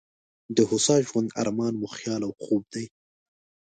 د هوسا ژوند ارمان مو خیال او خوب دی.